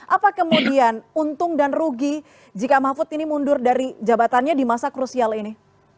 apa kemudian untung dan rugi jika mahfud ini mundur dari jabatannya di masa krusial ini